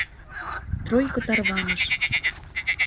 Тройко тарваныш.